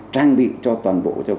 trang bị cho toàn bộ